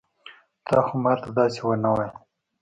تا خو ما ته داسې ونه ويل.